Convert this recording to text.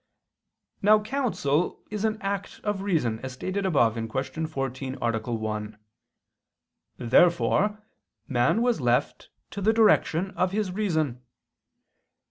Now counsel is an act of reason, as stated above (Q. 14, A. 1). Therefore man was left to the direction of his reason.